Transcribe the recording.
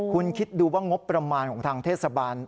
คุณคิดดูว่างบประมาณของทางเทศบาล